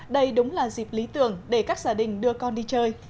đây đúng là dịp lý tưởng để các gia đình đưa con đi chơi